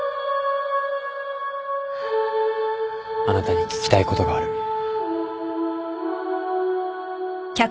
あなたに聞きたいことがある。